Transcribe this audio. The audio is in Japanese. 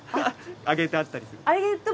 揚げてあったりすると。